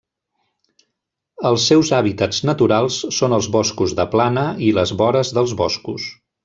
Els seus hàbitats naturals són els boscos de plana i les vores dels boscos.